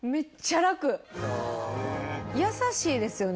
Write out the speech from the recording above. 優しいですよね